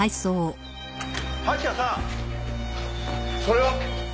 蜂矢さんそれは？